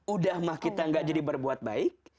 udah mah kita gak jadi berbuat baik